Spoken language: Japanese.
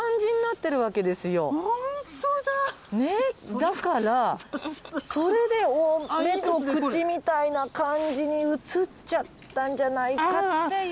だからそれで目と口みたいな感じに写っちゃったんじゃないかっていう。